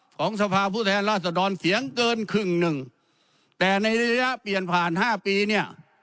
สภาพผู้แทนราษฎรเสียงเกินครึ่งหนึ่งแต่ในระยะเปลี่ยนผ่านห้าปีเนี่ย